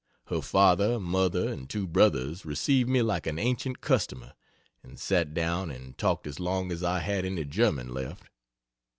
Her father, mother, and two brothers received me like an ancient customer and sat down and talked as long as I had any German left.